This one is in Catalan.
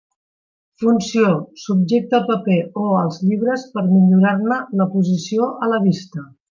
Funció: subjecta el paper o els llibres per millorar-ne la posició a la vista.